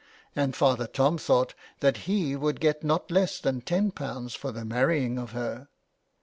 And Father Tom thought that he would get not less than ;^io for the marrying of her.